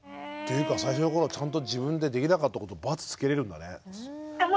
ていうか最初の頃はちゃんと自分でできなかったこと×つけれるんだね。